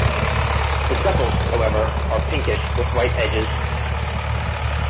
The sepals, however, are pinkish with white edges.